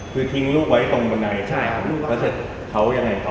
คือทิ้งลูกไว้ตรงบนใดใช่ไหมแล้วเสร็จเขายังไง